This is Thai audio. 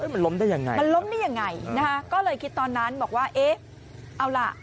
มันล้มได้ยังไงมันล้มได้ยังไงนะคะก็เลยคิดตอนนั้นบอกว่าเอ๊ะเอาล่ะ